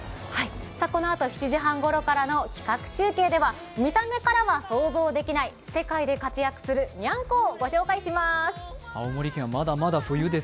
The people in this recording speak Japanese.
このあと７時半ごろからの企画中継では見た目からは想像できない、世界で活躍するにゃんこをご紹介します。